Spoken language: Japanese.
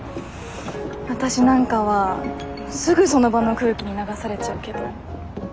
わたしなんかはすぐその場の空気に流されちゃうけど。